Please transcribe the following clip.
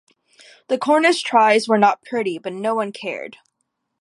The Cornish tries were not pretty but no one cared.